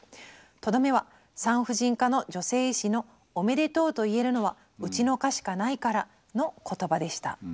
とどめは産婦人科の女性医師の『おめでとうと言えるのはうちの科しかないから』の言葉でした」。